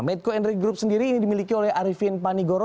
medco enry group sendiri ini dimiliki oleh arifin panigoro